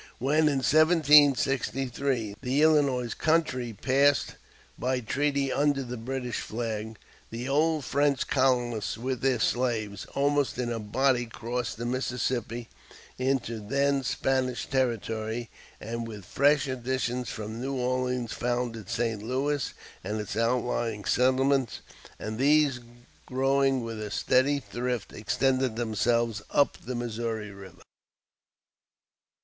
When in 1763 "the Illinois" country passed by treaty under the British flag, the old French colonists, with their slaves, almost in a body crossed the Mississippi into then Spanish territory, and with fresh additions from New Orleans founded St. Louis and its outlying settlements; and these, growing with a steady thrift, extended themselves up the Missouri River.